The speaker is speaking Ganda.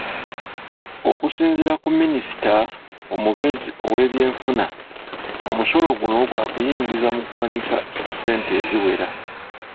Okusinziira ku Minisita omubeezi ow'ebyenfuna, omusolo guno gwa kuyingiza mu ggwanika ssente eziwera.